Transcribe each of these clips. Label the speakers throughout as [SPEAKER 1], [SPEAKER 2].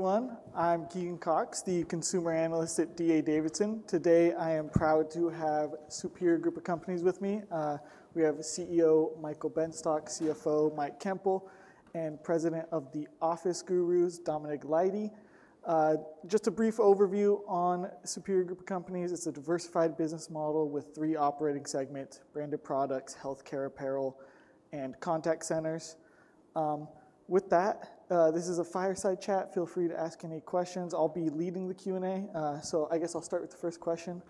[SPEAKER 1] Everyone, I'm Keegan Cox, the Consumer Analyst at D.A. Davidson. Today, I am proud to have a Superior Group of Companies with me. We have CEO Michael Benstock, CFO Mike Koempel, and President of The Office Gurus, Dominic Leide. Just a brief overview on Superior Group of Companies, it's a diversified business model with three operating segments, branded products, healthcare apparel, and contact centers. With that, this is a fireside chat. Feel free to ask any questions. I'll be leading the Q&A, so I guess I'll start with the first question,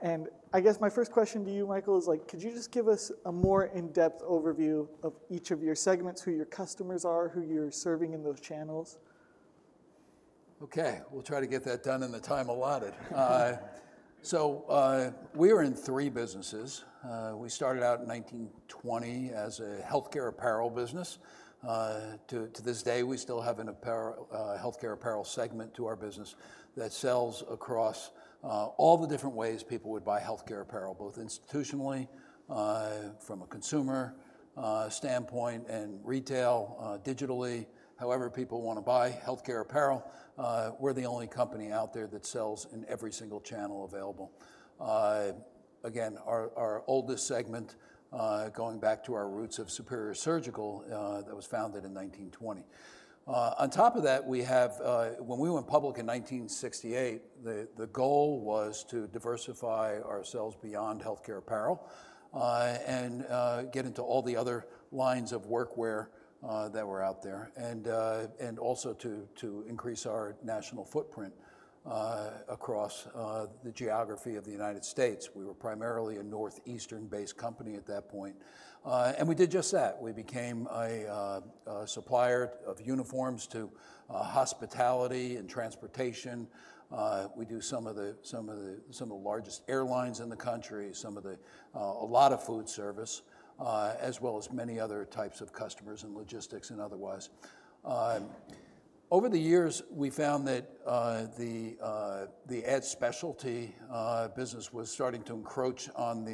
[SPEAKER 1] and I guess my first question to you, Michael, is like, could you just give us a more in-depth overview of each of your segments, who your customers are, who you're serving in those channels?
[SPEAKER 2] Okay, we'll try to get that done in the time allotted, so we are in three businesses. We started out in 1920 as a healthcare apparel business. To this day, we still have a healthcare apparel segment to our business that sells across all the different ways people would buy healthcare apparel, both institutionally, from a consumer standpoint, and retail, digitally, however people want to buy healthcare apparel. We're the only company out there that sells in every single channel available. Again, our oldest segment, going back to our roots of Superior Surgical, that was founded in 1920. On top of that, we have, when we went public in 1968, the goal was to diversify ourselves beyond healthcare apparel and get into all the other lines of work that were out there, and also to increase our national footprint across the geography of the United States. We were primarily a Northeastern-based company at that point, and we did just that. We became a supplier of uniforms to hospitality and transportation. We do some of the largest airlines in the country, a lot of food service, as well as many other types of customers and logistics and otherwise. Over the years, we found that the ad specialty business was starting to encroach on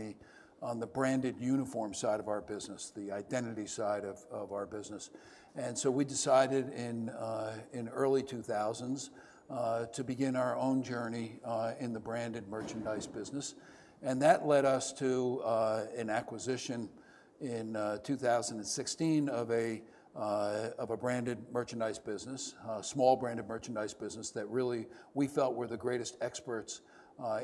[SPEAKER 2] the branded uniform side of our business, the identity side of our business. And so we decided in the early 2000s to begin our own journey in the branded merchandise business, and that led us to an acquisition in 2016 of a branded merchandise business, a small branded merchandise business that really we felt were the greatest experts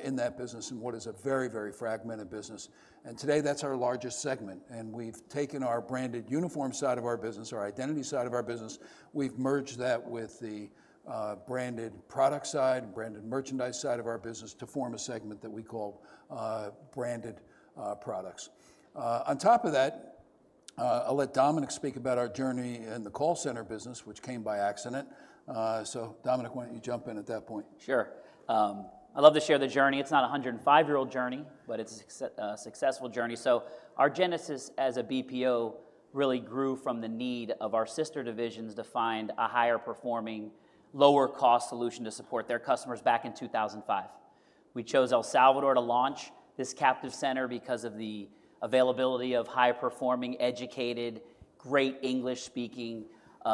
[SPEAKER 2] in that business and what is a very, very fragmented business. And today, that's our largest segment, and we've taken our branded uniform side of our business, our identity side of our business, we've merged that with the branded product side, branded merchandise side of our business to form a segment that we call branded products. On top of that, I'll let Dominic speak about our journey in the call center business, which came by accident. So Dominic, why don't you jump in at that point?
[SPEAKER 3] Sure. I'd love to share the journey. It's not a 105-year-old journey, but it's a successful journey. So our genesis as a BPO really grew from the need of our sister divisions to find a higher-performing, lower-cost solution to support their customers back in 2005. We chose El Salvador to launch this captive center because of the availability of high-performing, educated, great English-speaking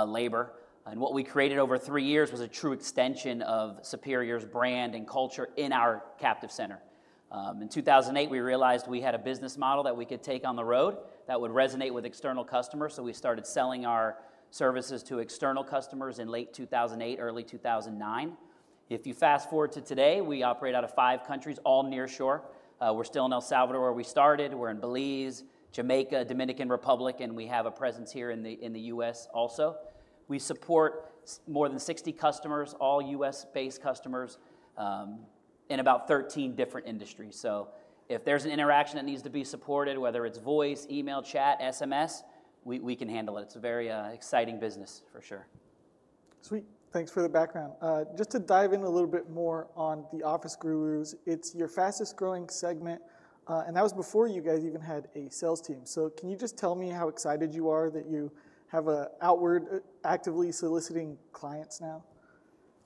[SPEAKER 3] labor. And what we created over three years was a true extension of Superior's brand and culture in our captive center. In 2008, we realized we had a business model that we could take on the road that would resonate with external customers, so we started selling our services to external customers in late 2008, early 2009. If you fast forward to today, we operate out of five countries, all nearshore. We're still in El Salvador where we started. We're in Belize, Jamaica, Dominican Republic, and we have a presence here in the U.S. also. We support more than 60 customers, all U.S.-based customers, in about 13 different industries. So if there's an interaction that needs to be supported, whether it's voice, email, chat, SMS, we can handle it. It's a very exciting business, for sure.
[SPEAKER 1] Sweet. Thanks for the background. Just to dive in a little bit more on The Office Gurus, it's your fastest-growing segment, and that was before you guys even had a sales team. So can you just tell me how excited you are that you have an outward, actively soliciting clients now?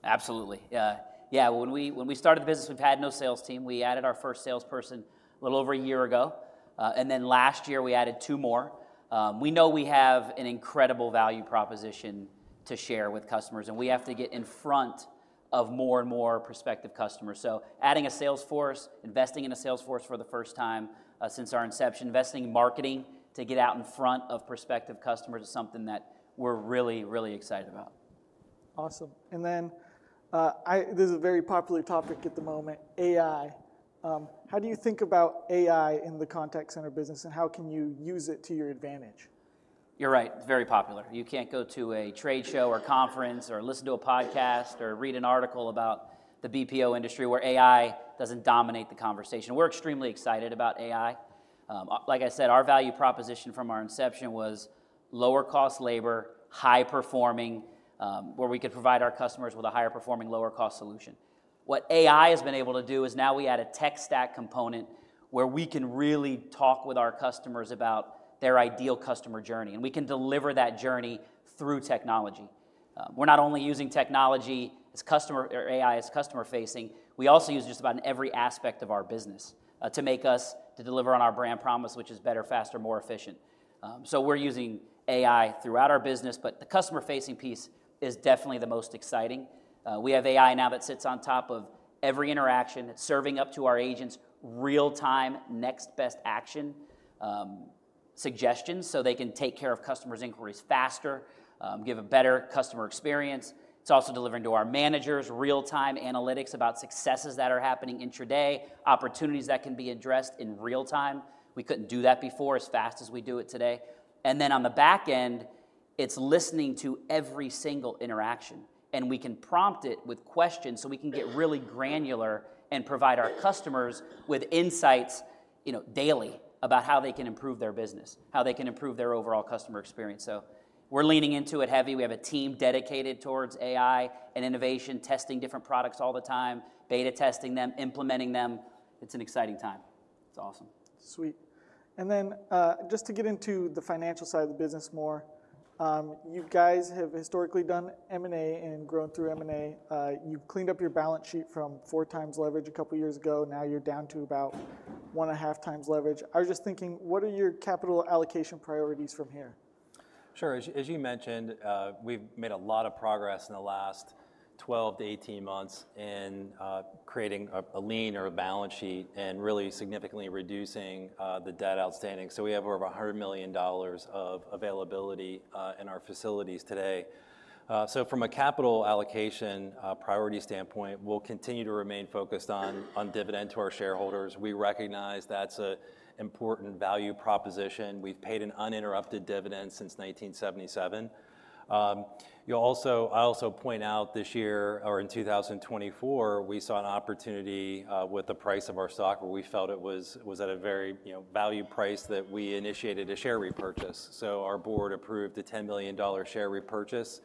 [SPEAKER 3] Absolutely. Yeah, when we started the business, we've had no sales team. We added our first salesperson a little over a year ago, and then last year we added two more. We know we have an incredible value proposition to share with customers, and we have to get in front of more and more prospective customers, so adding a salesforce, investing in a salesforce for the first time since our inception, investing in marketing to get out in front of prospective customers is something that we're really, really excited about.
[SPEAKER 1] Awesome. And then this is a very popular topic at the moment, AI. How do you think about AI in the contact center business, and how can you use it to your advantage?
[SPEAKER 3] You're right, it's very popular. You can't go to a trade show or conference or listen to a podcast or read an article about the BPO industry where AI doesn't dominate the conversation. We're extremely excited about AI. Like I said, our value proposition from our inception was lower-cost labor, high-performing, where we could provide our customers with a higher-performing, lower-cost solution. What AI has been able to do is now we add a tech stack component where we can really talk with our customers about their ideal customer journey, and we can deliver that journey through technology. We're not only using technology as customer or AI as customer-facing, we also use it just about in every aspect of our business to make us, to deliver on our brand promise, which is better, faster, more efficient. So we're using AI throughout our business, but the customer-facing piece is definitely the most exciting. We have AI now that sits on top of every interaction. It's serving up to our agents real-time, next best action suggestions so they can take care of customers' inquiries faster, give a better customer experience. It's also delivering to our managers real-time analytics about successes that are happening intraday, opportunities that can be addressed in real time. We couldn't do that before as fast as we do it today. And then on the back end, it's listening to every single interaction, and we can prompt it with questions so we can get really granular and provide our customers with insights daily about how they can improve their business, how they can improve their overall customer experience. So we're leaning into it heavy. We have a team dedicated towards AI and innovation, testing different products all the time, beta testing them, implementing them. It's an exciting time. It's awesome.
[SPEAKER 1] Sweet, and then just to get into the financial side of the business more, you guys have historically done M&A and grown through M&A. You've cleaned up your balance sheet from 4x leverage a couple of years ago. Now you're down to about one and a half times leverage. I was just thinking, what are your capital allocation priorities from here?
[SPEAKER 4] Sure. As you mentioned, we've made a lot of progress in the last 12 to 18 months in creating a leaner balance sheet and really significantly reducing the debt outstanding. So we have over $100 million of availability in our facilities today. So from a capital allocation priority standpoint, we'll continue to remain focused on dividend to our shareholders. We recognize that's an important value proposition. We've paid an uninterrupted dividend since 1977. I also point out this year, or in 2024, we saw an opportunity with the price of our stock where we felt it was at a very attractive price that we initiated a share repurchase. So our board approved a $10 million share repurchase,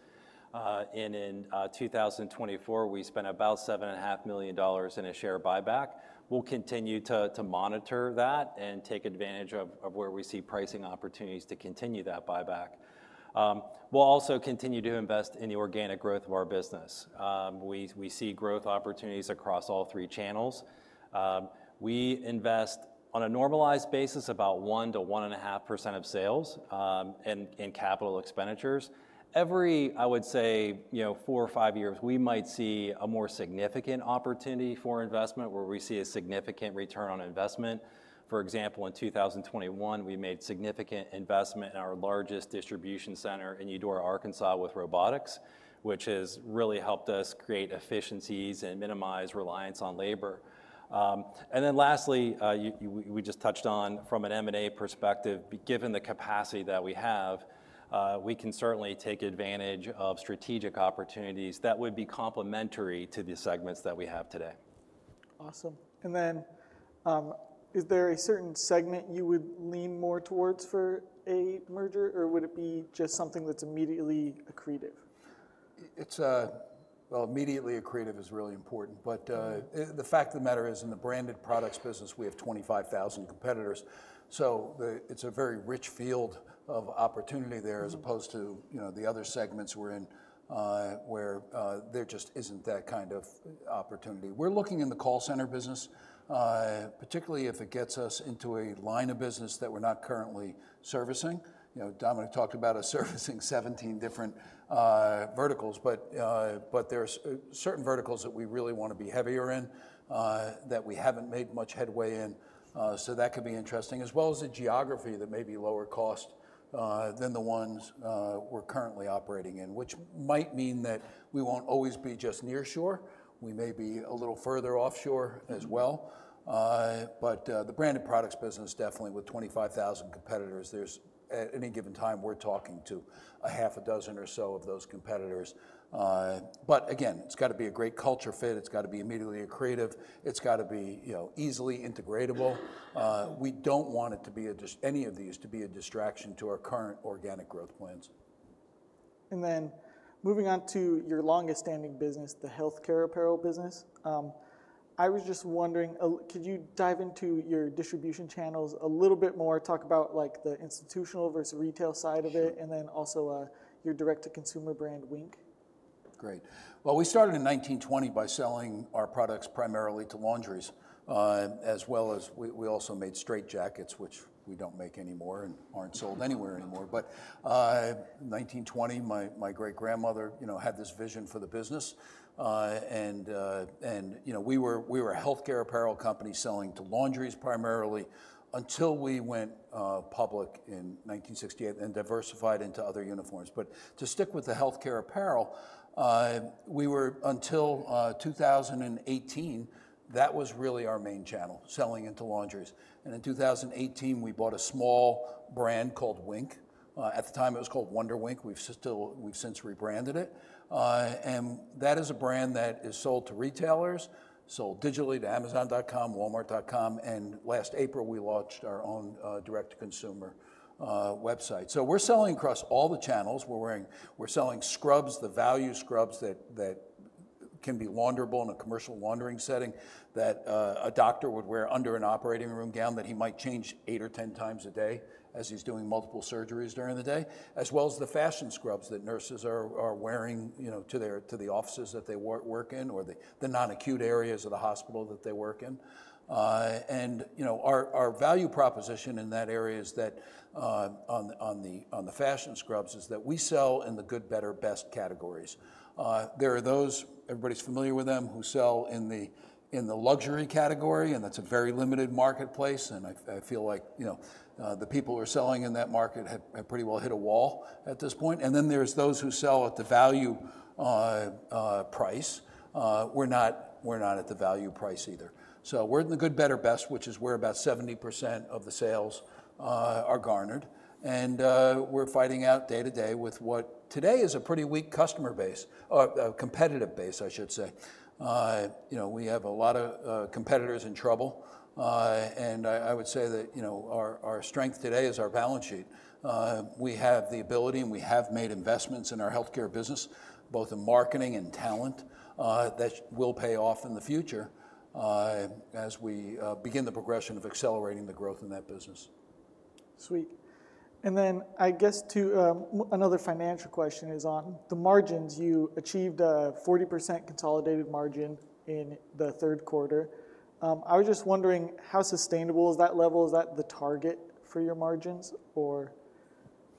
[SPEAKER 4] and in 2024, we spent about $7.5 million in a share buyback. We'll continue to monitor that and take advantage of where we see pricing opportunities to continue that buyback. We'll also continue to invest in the organic growth of our business. We see growth opportunities across all three channels. We invest on a normalized basis about 1%-1.5% of sales in capital expenditures. Every, I would say, four or five years, we might see a more significant opportunity for investment where we see a significant return on investment. For example, in 2021, we made significant investment in our largest distribution center in Eudora, Arkansas, with robotics, which has really helped us create efficiencies and minimize reliance on labor, and then lastly, we just touched on from an M&A perspective, given the capacity that we have, we can certainly take advantage of strategic opportunities that would be complementary to the segments that we have today.
[SPEAKER 1] Awesome. And then is there a certain segment you would lean more towards for a merger, or would it be just something that's immediately accretive?
[SPEAKER 2] Immediately accretive is really important, but the fact of the matter is in the branded products business, we have 25,000 competitors, so it's a very rich field of opportunity there as opposed to the other segments we're in where there just isn't that kind of opportunity. We're looking in the call center business, particularly if it gets us into a line of business that we're not currently servicing. Dominic talked about us servicing 17 different verticals, but there are certain verticals that we really want to be heavier in that we haven't made much headway in, so that could be interesting, as well as the geography that may be lower cost than the ones we're currently operating in, which might mean that we won't always be just nearshore. We may be a little further offshore as well. But the branded products business, definitely with 25,000 competitors, there's at any given time we're talking to a half a dozen or so of those competitors. But again, it's got to be a great culture fit. It's got to be immediately accretive. It's got to be easily integratable. We don't want any of these to be a distraction to our current organic growth plans.
[SPEAKER 1] And then moving on to your longest-standing business, the healthcare apparel business, I was just wondering, could you dive into your distribution channels a little bit more, talk about the institutional versus retail side of it, and then also your direct-to-consumer brand, Wink?
[SPEAKER 2] Great. Well, we started in 1920 by selling our products primarily to laundries, as well as we also made straitjackets, which we don't make anymore and aren't sold anywhere anymore, but in 1920, my great-grandmother had this vision for the business, and we were a healthcare apparel company selling to laundries primarily until we went public in 1968 and diversified into other uniforms, but to stick with the healthcare apparel, we were until 2018, that was really our main channel, selling into laundries, and in 2018, we bought a small brand called Wink. At the time, it was called WonderWink. We've since rebranded it, and that is a brand that is sold to retailers, sold digitally to Amazon.com, Walmart.com, and last April, we launched our own direct-to-consumer website, so we're selling across all the channels. We're selling scrubs, the value scrubs that can be launderable in a commercial laundering setting that a doctor would wear under an operating room gown that he might change eight or 10 times a day as he's doing multiple surgeries during the day, as well as the fashion scrubs that nurses are wearing to the offices that they work in or the non-acute areas of the hospital that they work in. Our value proposition in that area is that on the fashion scrubs is that we sell in the good, better, best categories. There are those, everybody's familiar with them, who sell in the luxury category, and that's a very limited marketplace, and I feel like the people who are selling in that market have pretty well hit a wall at this point. Then there's those who sell at the value price. We're not at the value price either. So we're in the good, better, best, which is where about 70% of the sales are garnered, and we're fighting out day to day with what today is a pretty weak customer base, or a competitive base, I should say. We have a lot of competitors in trouble, and I would say that our strength today is our balance sheet. We have the ability, and we have made investments in our healthcare business, both in marketing and talent, that will pay off in the future as we begin the progression of accelerating the growth in that business.
[SPEAKER 1] Sweet. And then I guess another financial question is on the margins. You achieved a 40% consolidated margin in the third quarter. I was just wondering, how sustainable is that level? Is that the target for your margins, or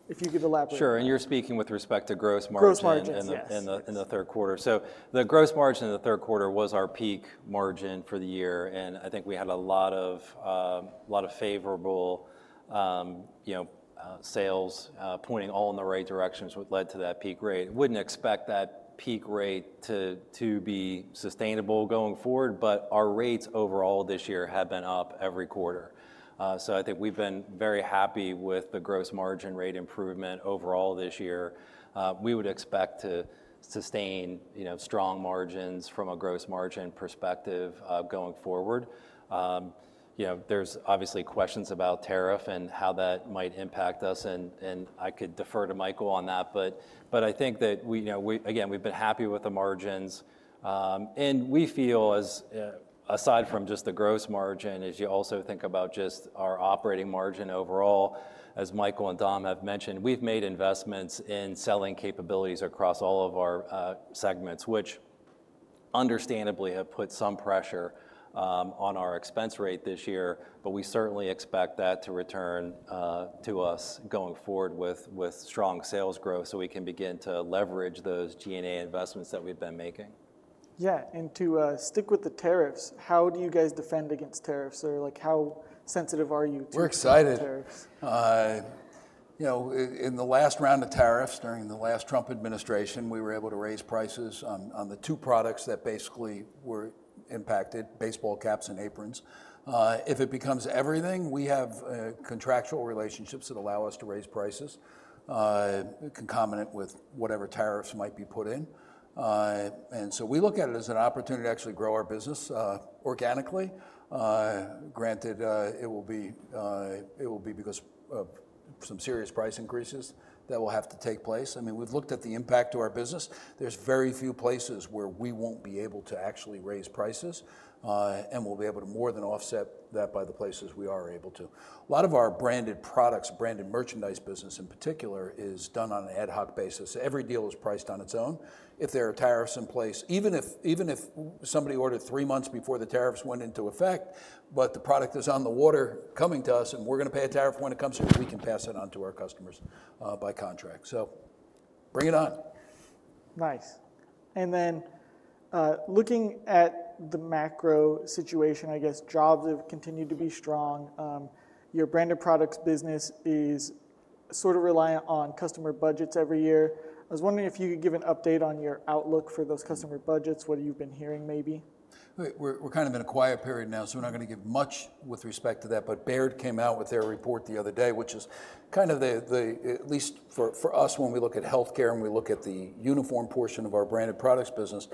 [SPEAKER 1] if you could elaborate?
[SPEAKER 4] Sure. And you're speaking with respect to gross margin.
[SPEAKER 1] Gross margin.
[SPEAKER 4] In the third quarter. So the gross margin in the third quarter was our peak margin for the year, and I think we had a lot of favorable sales pointing all in the right directions, which led to that peak rate. Wouldn't expect that peak rate to be sustainable going forward, but our rates overall this year have been up every quarter. So I think we've been very happy with the gross margin rate improvement overall this year. We would expect to sustain strong margins from a gross margin perspective going forward. There's obviously questions about tariff and how that might impact us, and I could defer to Michael on that, but I think that, again, we've been happy with the margins. We feel, aside from just the gross margin, as you also think about just our operating margin overall, as Michael and Dom have mentioned, we've made investments in selling capabilities across all of our segments, which understandably have put some pressure on our expense rate this year, but we certainly expect that to return to us going forward with strong sales growth so we can begin to leverage those G&A investments that we've been making.
[SPEAKER 1] Yeah. And to stick with the tariffs, how do you guys defend against tariffs, or how sensitive are you to tariffs?
[SPEAKER 2] We're excited. In the last round of tariffs during the last Trump administration, we were able to raise prices on the two products that basically were impacted, baseball caps and aprons. If it becomes everything, we have contractual relationships that allow us to raise prices concomitant with whatever tariffs might be put in, and so we look at it as an opportunity to actually grow our business organically. Granted, it will be because of some serious price increases that will have to take place. I mean, we've looked at the impact to our business. There's very few places where we won't be able to actually raise prices, and we'll be able to more than offset that by the places we are able to. A lot of our branded products, branded merchandise business in particular, is done on an ad hoc basis. Every deal is priced on its own. If there are tariffs in place, even if somebody ordered three months before the tariffs went into effect, but the product is on the water coming to us and we're going to pay a tariff when it comes to it, we can pass it on to our customers by contract. So bring it on.
[SPEAKER 1] Nice. And then, looking at the macro situation, I guess jobs have continued to be strong. Your branded products business is sort of reliant on customer budgets every year. I was wondering if you could give an update on your outlook for those customer budgets, what you've been hearing maybe?
[SPEAKER 2] We're kind of in a quiet period now, so we're not going to give much with respect to that, but Baird came out with their report the other day, which is kind of the, at least for us, when we look at healthcare and we look at the uniform portion of our branded products business,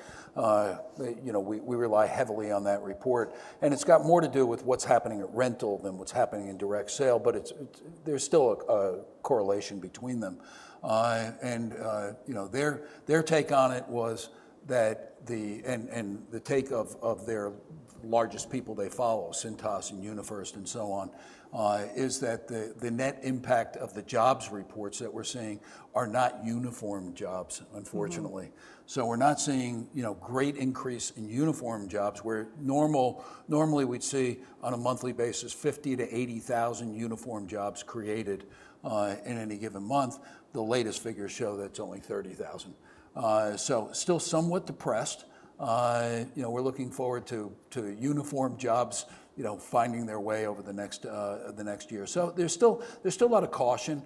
[SPEAKER 2] we rely heavily on that report. And it's got more to do with what's happening at rental than what's happening in direct sale, but there's still a correlation between them. And their take on it was that, and the take of their largest people they follow, Cintas and UniFirst and so on, is that the net impact of the jobs reports that we're seeing are not uniform jobs, unfortunately. So we're not seeing great increase in uniform jobs where normally we'd see on a monthly basis 50,000-80,000 uniform jobs created in any given month. The latest figures show that's only 30,000. So still somewhat depressed. We're looking forward to uniform jobs finding their way over the next year. So there's still a lot of caution.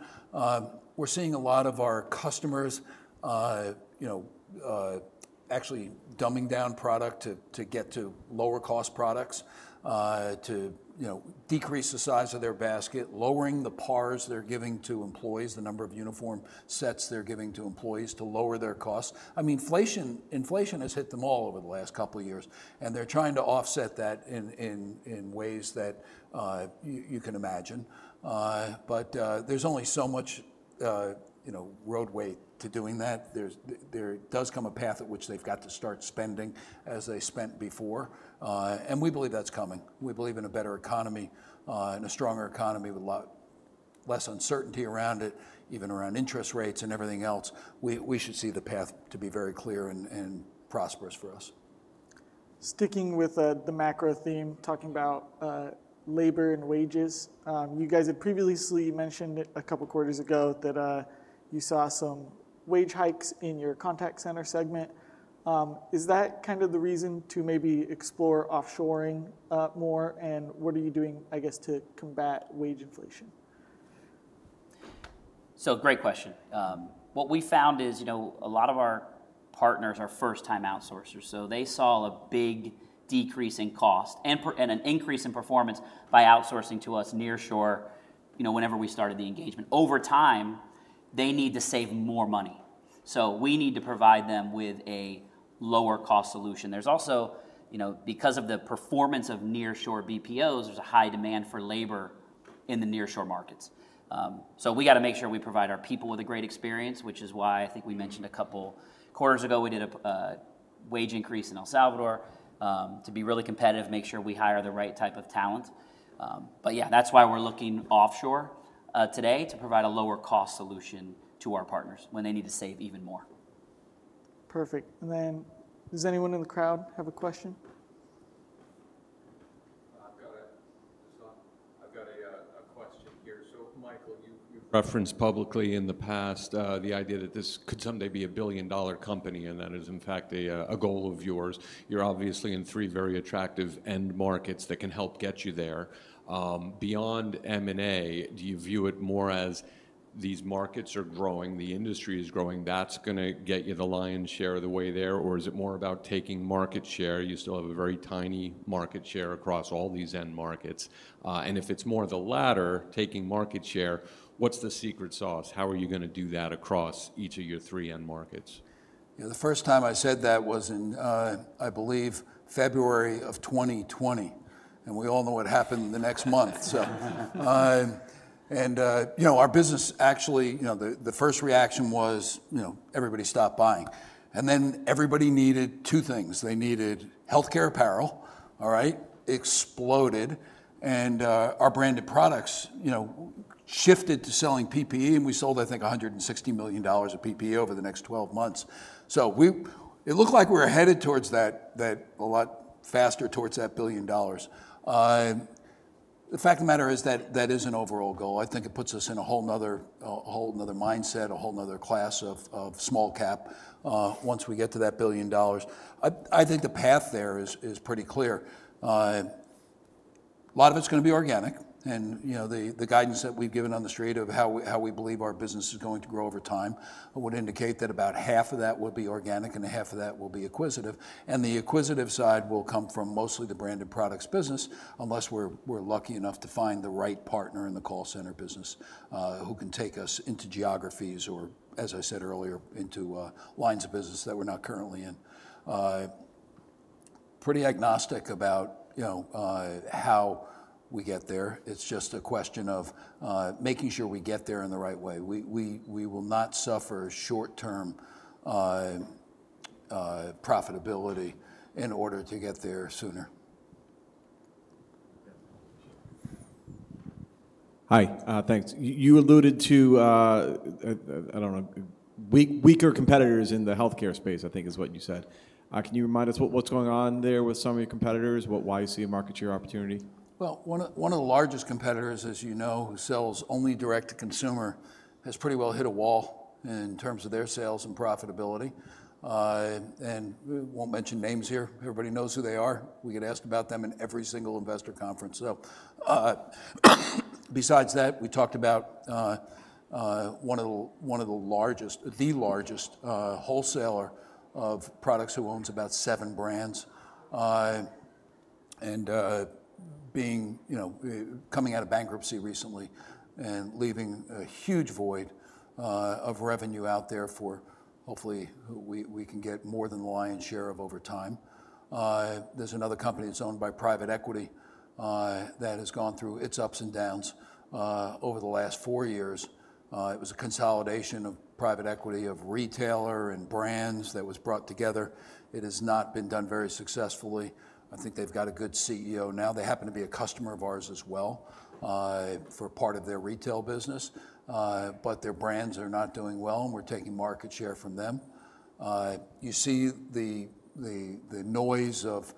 [SPEAKER 2] We're seeing a lot of our customers actually dumbing down product to get to lower-cost products to decrease the size of their basket, lowering the pars they're giving to employees, the number of uniform sets they're giving to employees to lower their costs. I mean, inflation has hit them all over the last couple of years, and they're trying to offset that in ways that you can imagine. But there's only so much runway to doing that. There does come a path at which they've got to start spending as they spent before, and we believe that's coming. We believe in a better economy, in a stronger economy with less uncertainty around it, even around interest rates and everything else. We should see the path to be very clear and prosperous for us.
[SPEAKER 1] Sticking with the macro theme, talking about labor and wages, you guys had previously mentioned a couple of quarters ago that you saw some wage hikes in your contact center segment. Is that kind of the reason to maybe explore offshoring more, and what are you doing, I guess, to combat wage inflation?
[SPEAKER 3] So great question. What we found is a lot of our partners are first-time outsourcers, so they saw a big decrease in cost and an increase in performance by outsourcing to us nearshore whenever we started the engagement. Over time, they need to save more money, so we need to provide them with a lower-cost solution. There's also, because of the performance of nearshore BPOs, there's a high demand for labor in the nearshore markets. So we got to make sure we provide our people with a great experience, which is why I think we mentioned a couple of quarters ago we did a wage increase in El Salvador to be really competitive, make sure we hire the right type of talent. But yeah, that's why we're looking offshore today to provide a lower-cost solution to our partners when they need to save even more.
[SPEAKER 1] Perfect. And then does anyone in the crowd have a question? I've got a question here. So Michael, you've referenced publicly in the past the idea that this could someday be a billion-dollar company, and that is in fact a goal of yours. You're obviously in three very attractive end markets that can help get you there. Beyond M&A, do you view it more as these markets are growing, the industry is growing, that's going to get you the lion's share of the way there, or is it more about taking market share? You still have a very tiny market share across all these end markets. And if it's more of the latter, taking market share, what's the secret sauce? How are you going to do that across each of your three end markets?
[SPEAKER 2] Yeah, the first time I said that was in, I believe, February of 2020, and we all know what happened the next month, and our business actually, the first reaction was everybody stopped buying, and then everybody needed two things. They needed healthcare apparel, all right, exploded, and our branded products shifted to selling PPE, and we sold, I think, $160 million of PPE over the next 12 months, so it looked like we were headed towards that a lot faster towards that billion dollars. The fact of the matter is that that is an overall goal. I think it puts us in a whole other mindset, a whole other class of small cap once we get to that billion dollars. I think the path there is pretty clear. A lot of it's going to be organic, and the guidance that we've given on the street of how we believe our business is going to grow over time would indicate that about half of that will be organic and half of that will be acquisitive, and the acquisitive side will come from mostly the branded products business unless we're lucky enough to find the right partner in the call center business who can take us into geographies or, as I said earlier, into lines of business that we're not currently in. Pretty agnostic about how we get there. It's just a question of making sure we get there in the right way. We will not suffer short-term profitability in order to get there sooner. Hi, thanks. You alluded to, I don't know, weaker competitors in the healthcare space, I think is what you said. Can you remind us what's going on there with some of your competitors, why you see a market share opportunity? One of the largest competitors, as you know, who sells only direct to consumer has pretty well hit a wall in terms of their sales and profitability. And we won't mention names here. Everybody knows who they are. We get asked about them in every single investor conference. So besides that, we talked about one of the largest, the largest wholesaler of products who owns about seven brands and coming out of bankruptcy recently and leaving a huge void of revenue out there for hopefully we can get more than the lion's share of over time. There's another company that's owned by private equity that has gone through its ups and downs over the last four years. It was a consolidation of private equity of retailer and brands that was brought together. It has not been done very successfully. I think they've got a good CEO now. They happen to be a customer of ours as well for part of their retail business, but their brands are not doing well, and we're taking market share from them. You see the noise of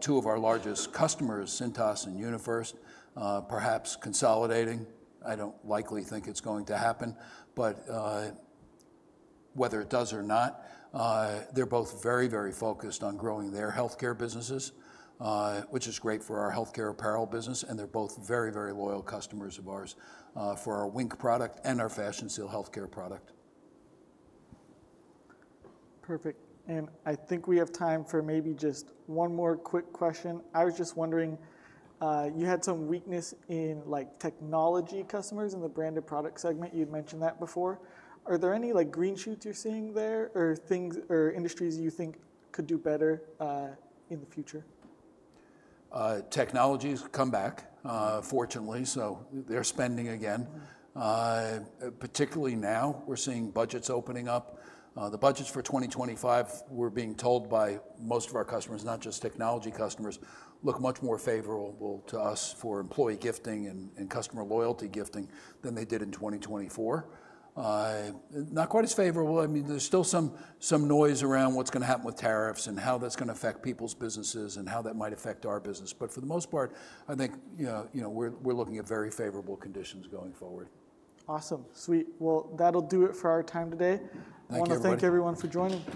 [SPEAKER 2] two of our largest customers, Cintas and UniFirst, perhaps consolidating. I don't likely think it's going to happen, but whether it does or not, they're both very, very focused on growing their healthcare businesses, which is great for our healthcare apparel business, and they're both very, very loyal customers of ours for our Wink product and our Fashion Seal Healthcare product.
[SPEAKER 1] Perfect. And I think we have time for maybe just one more quick question. I was just wondering, you had some weakness in technology customers in the branded product segment. You'd mentioned that before. Are there any green shoots you're seeing there or industries you think could do better in the future?
[SPEAKER 2] Technology has come back, fortunately, so they're spending again. Particularly now, we're seeing budgets opening up. The budgets for 2025, we're being told by most of our customers, not just technology customers, look much more favorable to us for employee gifting and customer loyalty gifting than they did in 2024. Not quite as favorable. I mean, there's still some noise around what's going to happen with tariffs and how that's going to affect people's businesses and how that might affect our business. But for the most part, I think we're looking at very favorable conditions going forward.
[SPEAKER 1] Awesome. Sweet. Well, that'll do it for our time today.
[SPEAKER 2] Thank you.
[SPEAKER 1] I want to thank everyone for joining me.